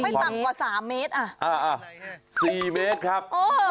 ไม่ต่ำกว่า๓เมตรอ่ะอ่า๔เมตรครับ